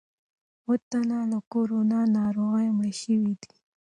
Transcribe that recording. اووه تنه له کورونا ناروغۍ مړه شوي دي.